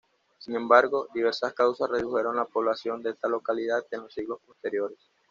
Sin embargo, diversas causas redujeron la población de esta localidad en los siglos posteriores.